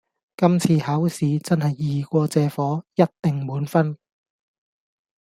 今次考試真係易過借火，一定滿分